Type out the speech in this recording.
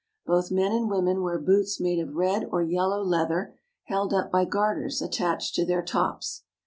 Both men and women wear boots made of red or yellow leather, held up by garters attached to their tops.